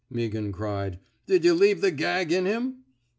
" Meaghan cried. Did yuh leave the gag in him?